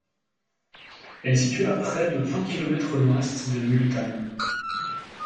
Elle est située à près de vingt kilomètres au nord-est de Multan.